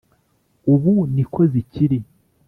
ubu ni ko zikiri